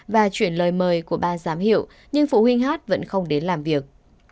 và chuyển lời mời của ba giám hiệu nhưng phụ huynh hát vẫn không đến làm việc